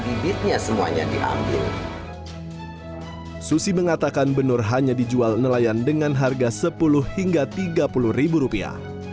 ini menggemas ulut yosi mengatakan benur hanya dijual nelayan dengan harga sepuluh hingga tiga puluh rupiah